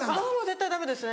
絶対ダメですね